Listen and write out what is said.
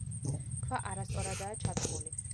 ქვა არასწორადაა ჩადგმული.